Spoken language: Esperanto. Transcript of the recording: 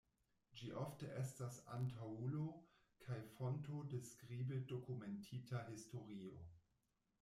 Ĝi ofte estas antaŭulo kaj fonto de skribe dokumentita historio.